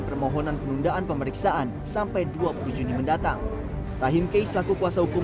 permohonan penundaan pemeriksaan sampai dua puluh juni mendatang rahim kay selaku kuasa hukum